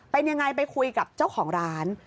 เป็นยังไงไปคุยกับเจ้าของร้าน